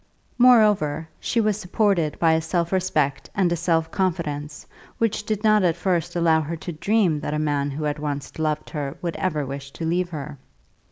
Moreover she was supported by a self respect and a self confidence which did not at first allow her to dream that a man who had once loved her would ever wish to leave her.